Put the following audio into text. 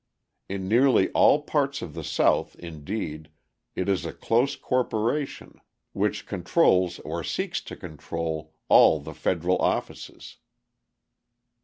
In nearly all parts of the South, indeed, it is a close corporation which controls or seeks to control all the federal offices.